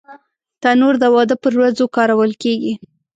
تنور د واده پر ورځو کارول کېږي